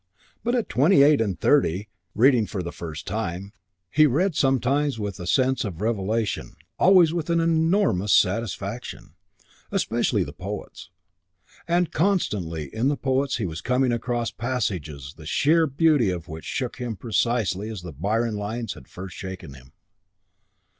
But at twenty eight and thirty, reading for the first time, he read sometimes with a sense of revelation, always with an enormous satisfaction. Especially the poets. And constantly in the poets he was coming across passages the sheer beauty of which shook him precisely as the Byron lines had first shaken him.